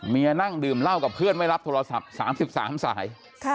นั่งดื่มเหล้ากับเพื่อนไม่รับโทรศัพท์๓๓สาย